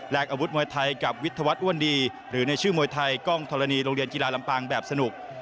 อาวุธมวยไทยกับวิทยาวัฒนอ้วนดีหรือในชื่อมวยไทยกล้องธรณีโรงเรียนกีฬาลำปางแบบสนุก